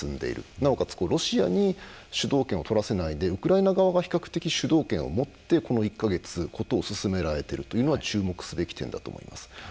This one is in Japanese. なおかつ、ロシアに主導権をとらせないでウクライナ側は比較的主導権を持ってこの１か月事を進めているところは注目すべき点だと思います。